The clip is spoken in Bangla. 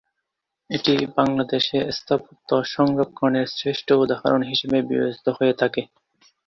এটি বাংলাদেশে স্থাপত্য সংরক্ষণের শ্রেষ্ঠ উদাহরণ হিসেবে বিবেচিত হয়ে থাকে।